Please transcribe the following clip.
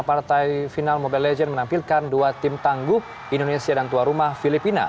partai final mobile legend menampilkan dua tim tangguh indonesia dan tuan rumah filipina